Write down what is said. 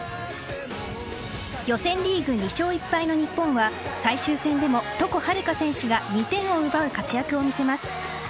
予選リーグ２勝１敗の日本は、最終戦でも床秦留可選手が２点を奪う活躍を見せます。